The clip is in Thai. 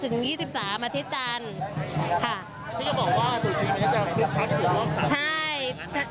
คุณจะบอกว่าตัวจริงมันน่าจะคึกคักที่สุดรอบ๓ปี